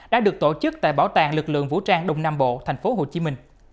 đã được tổ chức tại bảo tàng lực lượng vũ trang đông nam bộ tp hcm